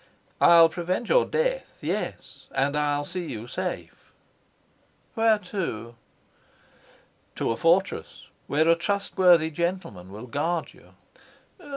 "I'll prevent your death. Yes, and I'll see you safe." "Where to?" "To a fortress, where a trustworthy gentleman will guard you."